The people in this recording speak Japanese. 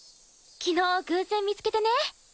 昨日偶然見つけてね。